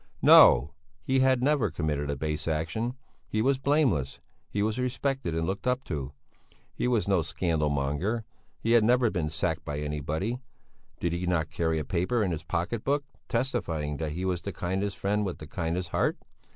No! he had never committed a base action; he was blameless; he was respected and looked up to; he was no scandal monger; he had never been sacked by anybody. Did he not carry a paper in his pocket book, testifying that he was the kindest friend with the kindest heart?